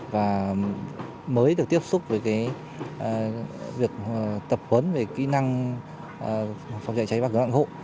và mới được tiếp xúc với việc tập huấn về kỹ năng phòng chạy cháy bắc gương ẵn hộ